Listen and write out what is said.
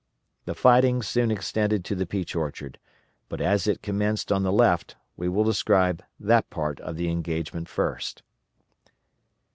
The fighting soon extended to the Peach Orchard, but as it commenced on the left, we will describe that part of the engagement first.